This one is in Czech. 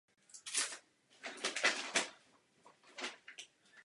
Ve svých třiceti letech byl povýšen na kapitána.